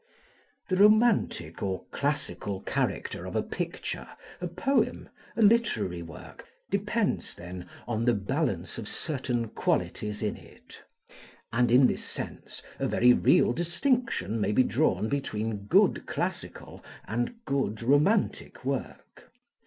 The romantic or classical character of a picture, a poem, a literary work, depends, then, on the balance of certain qualities in it; and in this sense, a very real distinction may be drawn between good classical and good romantic work.